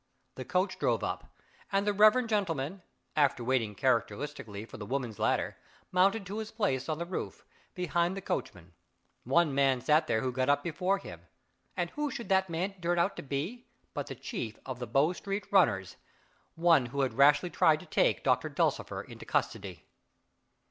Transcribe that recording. The coach drove up, and the reverend gentleman (after waiting characteristically for the woman's ladder) mounted to his place on the roof, behind the coachman. One man sat there who had got up before him and who should that man be, but the chief of the Bow Street runners, who had rashly tried to take Doctor Dulcifer into custody!